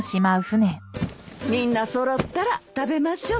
みんな揃ったら食べましょう。